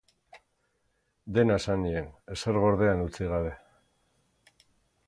Dena esan nien, ezer gordean utzi gabe.